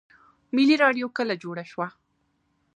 ملي راډیو کله جوړه شوه؟